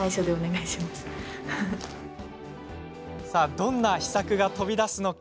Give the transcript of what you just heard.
どんな秘策が飛び出すのか。